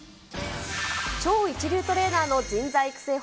超一流トレーナーの人材育成法